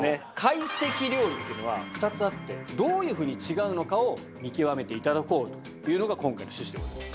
「かいせき料理」っていうのは２つあってどういうふうに違うのかを見極めて頂こうというのが今回の趣旨でございます。